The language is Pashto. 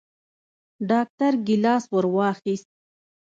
ډاکتر ګېلاس ورواخيست.